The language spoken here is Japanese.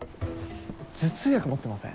頭痛薬持ってません？